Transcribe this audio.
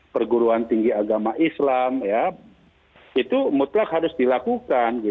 perguruan tinggi agama islam itu mutlak harus dilakukan